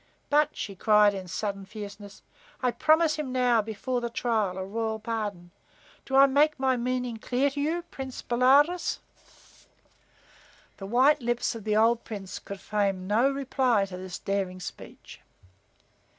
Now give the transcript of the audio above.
But," she cried in sudden fierceness, "I promise him now, before the trial, a royal pardon. Do I make my meaning clear to you, Prince Bolaroz?" The white lips of the old Prince could frame no reply to this daring speech.